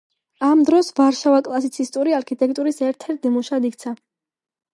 ამ დროს ვარშავა კლასიცისტური არქიტექტურის ერთ-ერთ ნიმუშად იქცა.